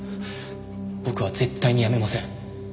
僕は絶対に辞めません。